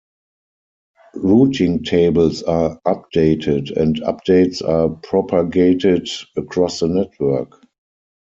Routing tables are updated and updates are propagated across the network.